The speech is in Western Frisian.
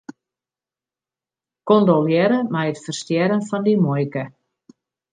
Kondolearre mei it ferstjerren fan dyn muoike.